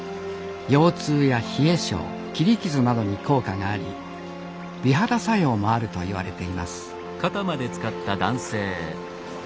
腰痛や冷え性切り傷などに効果があり美肌作用もあるといわれています